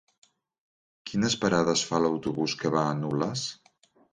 Quines parades fa l'autobús que va a Nules?